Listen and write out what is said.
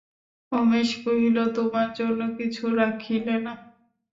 উমেশ কহিল, তোমার জন্য কিছু রাখিলে না?